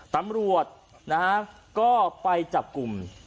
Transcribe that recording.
ตำรวจนะฮะก็ไปจับกลุ่ม